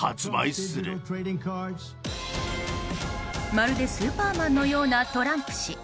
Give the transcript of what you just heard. まるでスーパーマンのようなトランプ氏。